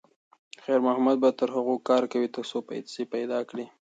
خیر محمد به تر هغو کار کوي تر څو پیسې پیدا کړي.